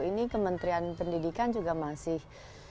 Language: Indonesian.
ini kementerian pendidikan juga masih